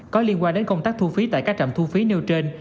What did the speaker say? có liên quan đến công tác thu phí tại các trạm thu phí nêu trên